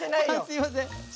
すいません。